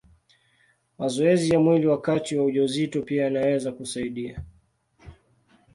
Mazoezi ya mwili wakati wa ujauzito pia yanaweza kusaidia.